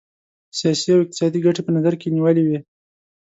سیاسي او اقتصادي ګټي په نظر کې نیولي وې.